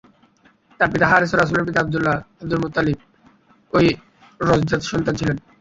তাঁর পিতা হারেস ও রাসূলের পিতা আব্দুল্লাহ আব্দুল মুত্তালিবের ঔরসজাত সন্তান ছিলেন।